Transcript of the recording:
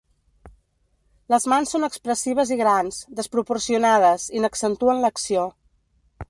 Les mans són expressives i grans, desproporcionades i n'accentuen l'acció.